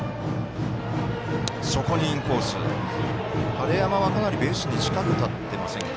晴山は、かなりベースに近く立っていませんか？